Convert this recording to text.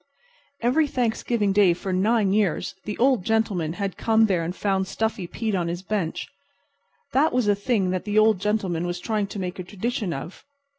Every Thanksgiving Day for nine years the Old Gentleman had come there and found Stuffy Pete on his bench. That was a thing that the Old Gentleman was trying to make a tradition of.